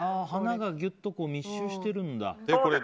花がギュッと密集してるんだ。